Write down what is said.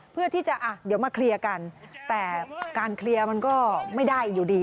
เพื่อที่จะอ่ะเดี๋ยวมาเคลียร์กันแต่การเคลียร์มันก็ไม่ได้อยู่ดี